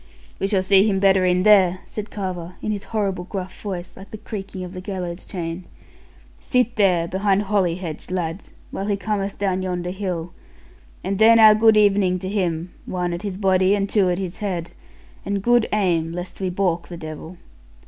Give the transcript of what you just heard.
'We shall see him better in there,' said Carver, in his horrible gruff voice, like the creaking of the gallows chain; 'sit there, behind holly hedge, lads, while he cometh down yonder hill; and then our good evening to him; one at his body, and two at his head; and good aim, lest we baulk the devil.'